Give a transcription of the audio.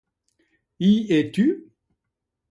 Y es-tu?